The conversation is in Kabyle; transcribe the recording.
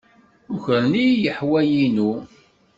Ukren-iyi leḥwal-inu.